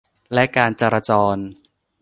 และการจราจร